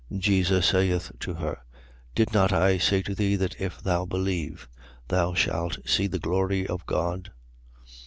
11:40. Jesus saith to her: Did not I say to thee that if thou believe, thou shalt see the glory of God?